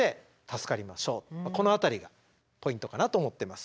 この辺りがポイントかなと思ってます。